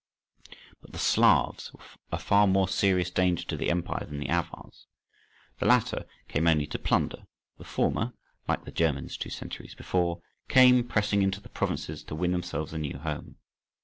But the Slavs were a far more serious danger to the empire than the Avars. The latter came only to plunder, the former—like the Germans two centuries before—came pressing into the provinces to win themselves a new home.